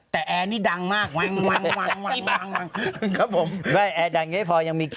แต่แอร์นี้ดังมากวาง